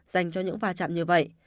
dành cho những va chạm như vậy